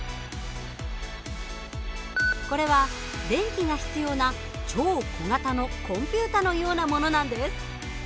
これは電気が必要な超小型のコンピュータのようなものなんです。